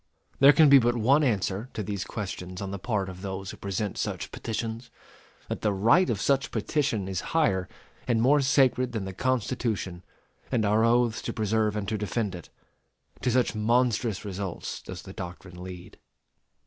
There can be but one answer to these questions on the part of those who present such petitions: that the right of such petition is higher and more sacred than the Constitution and our oaths to preserve and to defend it. To such monstrous results does the doctrine lead.